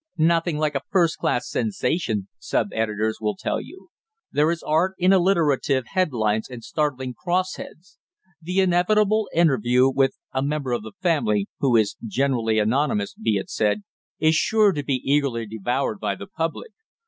Nothing like a first class "sensation," sub editors will tell you. There is art in alliterative headlines and startling "cross heads." The inevitable interview with "a member of the family" who is generally anonymous, be it said is sure to be eagerly devoured by the public.